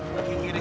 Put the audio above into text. pak kenapa ini